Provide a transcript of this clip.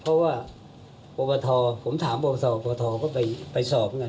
เพราะว่าประวัติธรรมผมถามประวัติธรรมประวัติธรรมก็ไปสอบกัน